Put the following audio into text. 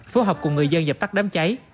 phố học của người dân dập tắt đám cháy